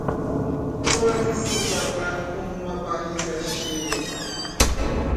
Pode se gabar com uma barriga cheia.